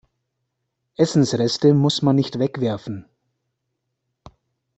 Essensreste muss man nicht wegwerfen.